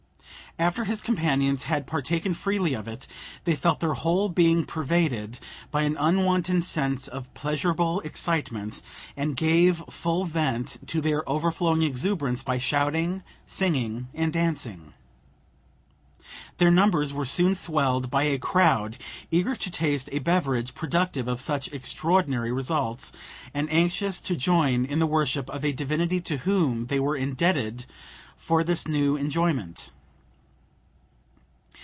After his companions had partaken freely of it, they felt their whole being pervaded by an unwonted sense of pleasurable excitement, and gave full vent to their overflowing exuberance, by shouting, singing, and dancing. Their numbers were soon swelled by a crowd, eager to taste a beverage productive of such extraordinary results, and anxious to join in the worship of a divinity to whom they were indebted for this new enjoyment.